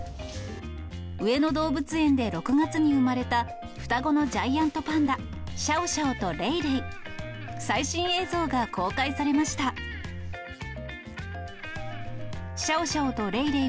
上野動物園で６月に産まれた双子のジャイアントパンダ、シャオシャオとレイレイ。